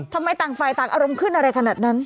ต่างฝ่ายต่างอารมณ์ขึ้นอะไรขนาดนั้น